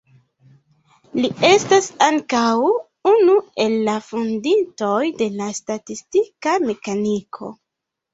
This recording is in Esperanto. Li estas ankaŭ unu el la fondintoj de la statistika mekaniko.